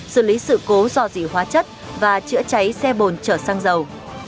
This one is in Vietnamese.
xử lý sự cố do dị hóa chất và chữa cháy xe bồn trở sang dầu